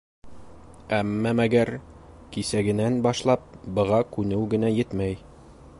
Әммә мәгәр, кисәгенән башлап быға күнеү генә етмәй.